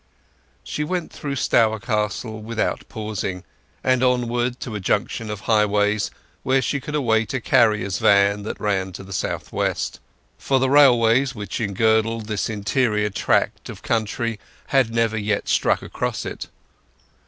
She went through Stourcastle without pausing and onward to a junction of highways, where she could await a carrier's van that ran to the south west; for the railways which engirdled this interior tract of country had never yet struck across it.